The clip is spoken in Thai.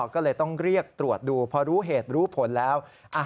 ก็เลยต้องเรียกตรวจดูพอรู้เหตุรู้ผลแล้ว